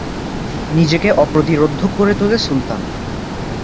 নিজেকে অপ্রতিরোধ্য করে তোলে সুলতান।